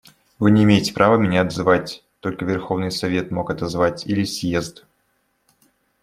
Вы не имеете права меня отзывать, только Верховный Совет мог отозвать, или съезд.